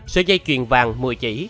sợi dây chuyền vàng một mươi chỉ